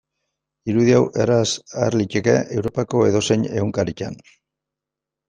Irudi hau erraz ager liteke Europako edozein egunkaritan.